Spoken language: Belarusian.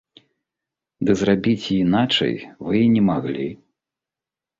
Ды зрабіць іначай вы і не маглі.